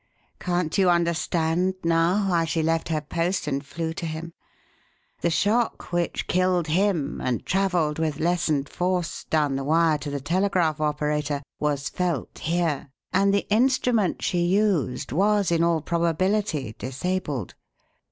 Can't you understand now why she left her post and flew to him? The shock which killed him and travelled with lessened force down the wire to the telegraph operator was felt here, and the instrument she used was, in all probability, disabled.